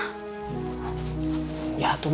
capek masaknya saja kalau gitu mah